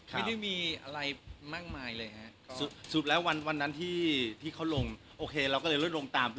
อ่าจ๋าก็เอาตัวเสียลด้วยครับคุณอัน